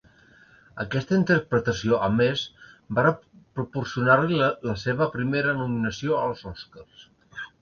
Aquesta interpretació, a més, va proporcionar-li la seva primera nominació als Oscars.